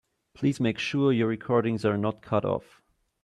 Please make sure your recordings are not cut off.